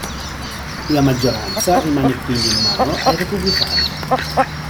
La maggioranza rimane quindi in mano ai Repubblicani.